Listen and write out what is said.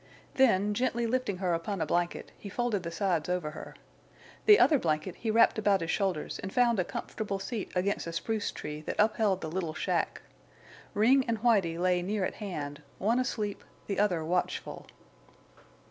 Then, gently lifting her upon a blanket, he folded the sides over her. The other blanket he wrapped about his shoulders and found a comfortable seat against a spruce tree that upheld the little shack. Ring and Whitie lay near at hand, one asleep, the other watchful.